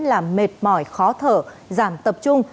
là mệt mỏi khó thở giảm tập trung